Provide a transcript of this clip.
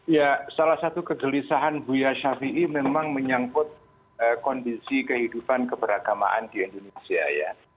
ya salah satu kegelisahan buya syafiee memang menyangkut kondisi kehidupan keberagamaan di indonesia ya